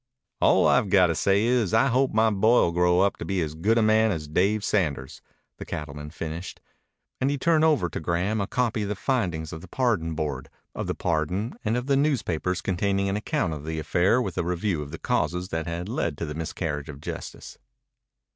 "All I've got to say is that I hope my boy will grow up to be as good a man as Dave Sanders," the cattleman finished, and he turned over to Graham a copy of the findings of the Pardon Board, of the pardon, and of the newspapers containing an account of the affair with a review of the causes that had led to the miscarriage of justice.